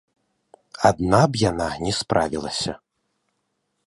Адна б яна не справілася.